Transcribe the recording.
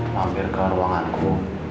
mampir ke ruanganku